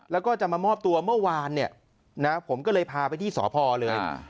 แล้วก็จะมามอบตัวเมื่อวานเนี่ยนะผมก็เลยพาไปที่สพเลย